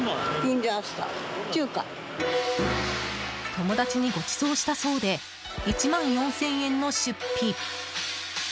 友達にごちそうしたそうで１万４０００円の出費。